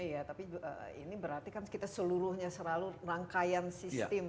iya tapi ini berarti kan kita seluruhnya selalu rangkaian sistem